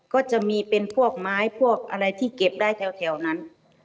ก็จะมีเป็นพวกไม้พวกอะไรที่เก็บได้แถวนั้น